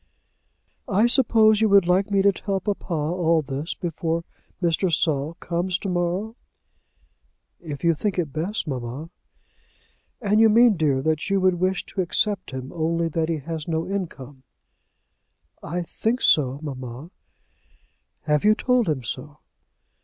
"I suppose you would like me to tell papa all this before Mr. Saul comes to morrow?" "If you think it best, mamma." "And you mean, dear, that you would wish to accept him, only that he has no income?" "I think so, mamma." "Have you told him so?"